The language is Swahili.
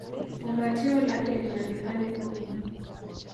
Fumbatio lake lina vipande kumi.